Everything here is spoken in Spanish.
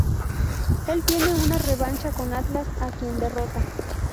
Él tiene una revancha con Atlas, a quien derrota.